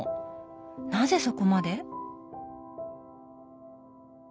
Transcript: なぜそこまで？